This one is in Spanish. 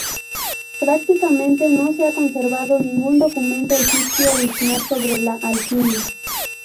Prácticamente no se ha conservado ningún documento egipcio original sobre la alquimia.